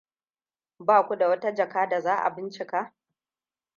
Ba ku da wata jaka da za a bincika?